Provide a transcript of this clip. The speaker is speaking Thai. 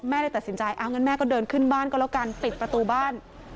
เลยตัดสินใจเอางั้นแม่ก็เดินขึ้นบ้านก็แล้วกันปิดประตูบ้าน